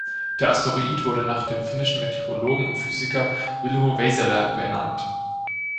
Der Asteroid wurde nach dem finnischen Meteorologen und Physiker Vilho Väisälä benannt.